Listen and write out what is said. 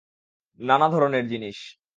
নানা ধরণের জিনিস।